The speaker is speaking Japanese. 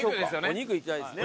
お肉いきたいですね。